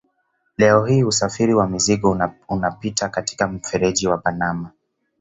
Leo hii usafiri wa mizigo unapita katika mfereji wa Panama.